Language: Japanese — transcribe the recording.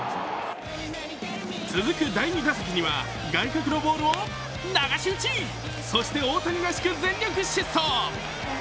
続く第２打席には外角のボールを流し打ちそして大谷らしく全力疾走。